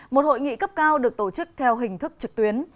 một hội nghị cấp cao được tổ chức theo hình thức trực tuyến